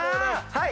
はい！